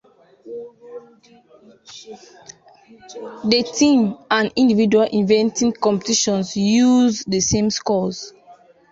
The team and individual eventing competitions used the same scores.